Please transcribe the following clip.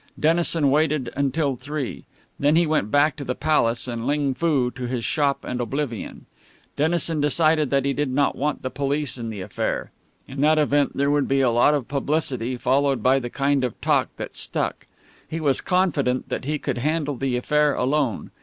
Dennison waited until three; then he went back to the Palace, and Ling Foo to his shop and oblivion. Dennison decided that he did not want the police in the affair. In that event there would be a lot of publicity, followed by the kind of talk that stuck. He was confident that he could handle the affair alone.